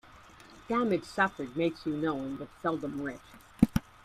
Damage suffered makes you knowing, but seldom rich.